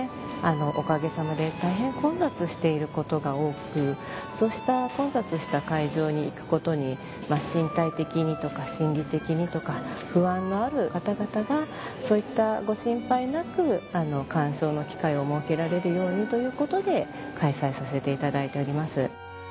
おかげさまで大変混雑していることが多くそうした混雑した会場に行くことに身体的にとか心理的にとか不安のある方々がそういったご心配なく鑑賞の機会を設けられるようにということで開催させていただいております。